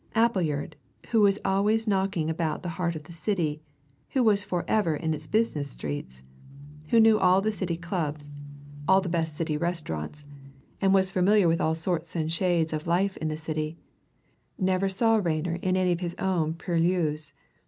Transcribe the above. Appleyard, who was always knocking about the heart of the City, who was for ever in its business streets, who knew all the City clubs, all the best City restaurants, and was familiar with all sorts and shades of life in the City, never saw Rayner in any of his own purlieus.